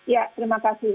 ya terima kasih